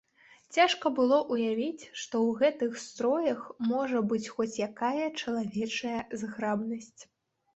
Цяжка было ўявіць, што ў гэтых строях можа быць хоць якая чалавечая зграбнасць.